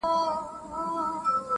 په نارو هم كليوال او هم ښاريان سول-